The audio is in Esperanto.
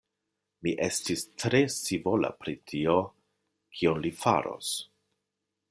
Mi estis tre scivola pri tio, kion li faros.